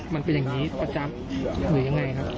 มันเป็นอย่างนี้ประจำหรือยังไงครับ